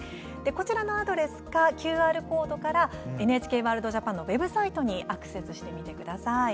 こちらのアドレスかＱＲコードからＮＨＫワールドＪＡＰＡＮのウェブサイトにアクセスしてみてください。